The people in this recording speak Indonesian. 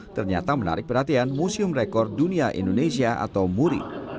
ternyata menarik perhatian museum rekor dunia indonesia atau muri